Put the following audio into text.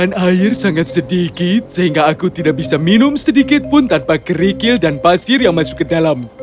dan air sangat sedikit sehingga aku tidak bisa minum sedikit pun tanpa kerikil dan pasir yang masuk ke dalam